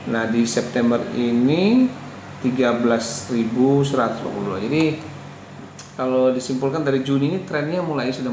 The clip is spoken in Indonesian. nah di september ini tiga belas satu ratus dua puluh dua ini kalau disimpulkan dari juni ini trennya mulai sembilan puluh